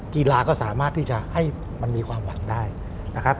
กีฬาก็สามารถที่จะให้มันมีความหวังได้นะครับ